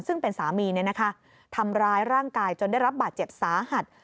ซึ่งเป็นสามีทำร้ายร่างกายจนได้รับบาดเจ็บสาหัส